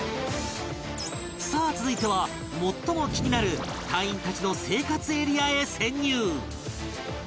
さあ続いては最も気になる隊員たちの生活エリアへ潜入